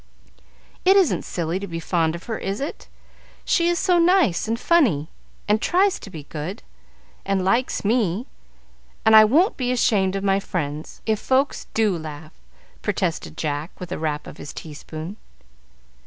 "It isn't silly to be fond of her, is it? She is so nice and funny, and tries to be good, and likes me, and I won't be ashamed of my friends, if folks do laugh," protested Jack, with a rap of his teaspoon.